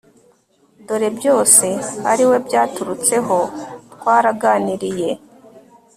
doreko byose ariwe byaturutseho twaraganiriye